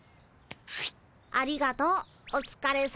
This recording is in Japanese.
ありがとうおつかれさま。